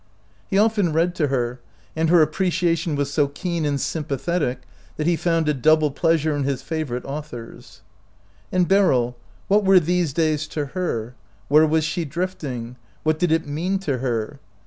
He often read to her, and her appreciation was so keen and sympathetic that he found a double pleasure in his favor ite authors. And Beryl, what were these days to her? Where was she drifting ? What did it mean to her